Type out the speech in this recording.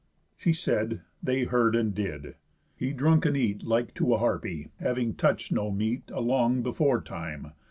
She said, they heard and did. He drunk and eat Like to a harpy, having touch'd no meat A long before time.